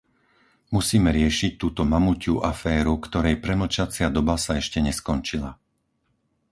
Musíme riešiť túto mamutiu aféru, ktorej premlčacia doba sa ešte neskončila.